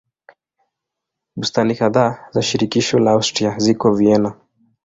Bustani kadhaa za shirikisho la Austria ziko Vienna.